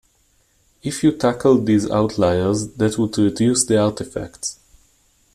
If you tackled these outliers that would reduce the artifacts.